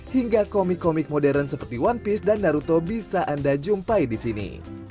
hingga komik komik modern seperti one piece dan naruto bisa anda jumpai di sini